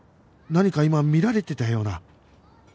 何か今見られてたような